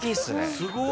すごい！